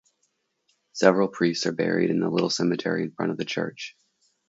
Several priests are buried in the little cemetery in front of the church.